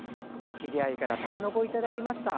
知り合いから筍をいただきました。